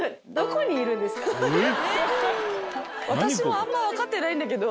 私もあんま分かってないんだけど。